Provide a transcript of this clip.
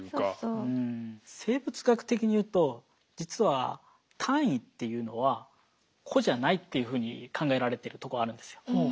生物学的にいうと実は単位っていうのは個じゃないっていうふうに考えられてるとこあるんですよ。